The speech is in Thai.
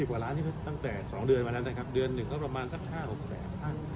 กว่าล้านนี่ตั้งแต่๒เดือนมาแล้วนะครับเดือนหนึ่งก็ประมาณสัก๕๖แสนท่าน